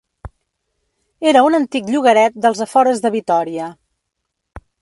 Era un antic llogaret dels afores de Vitòria.